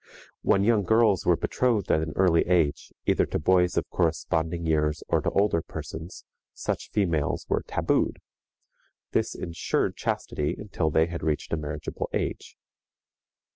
When young girls were betrothed at an early age, either to boys of corresponding years or to older persons, such females were tabooed. This insured chastity until they had reached a marriageable age.